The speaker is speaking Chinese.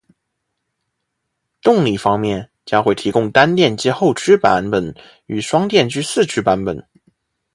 动力方面，将会提供单电机后驱版本与双电机四驱版本